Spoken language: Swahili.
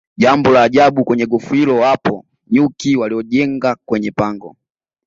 Jambo la ajabu kwenye gofu hilo wapo nyuki waliojenga kwenye pango